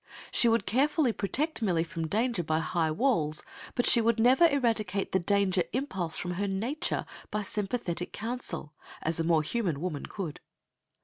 She would carefully protect Millie from danger by high walls, but she would never eradicate the danger impulse from her nature by sympathetic counsel, as a more human woman could.